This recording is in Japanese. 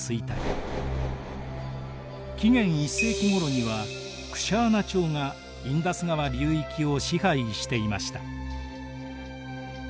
紀元１世紀ごろにはクシャーナ朝がインダス川流域を支配していました。